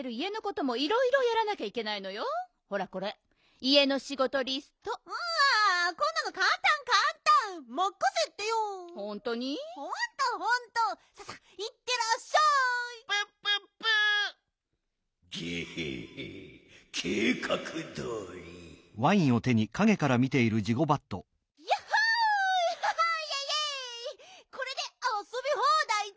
これであそびほうだいだ！